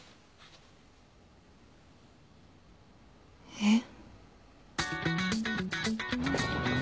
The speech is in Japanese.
えっ？